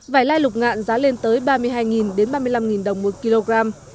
vải lai lục ngạn giá lên tới ba mươi hai tỷ đồng đến ba mươi năm tỷ đồng một kg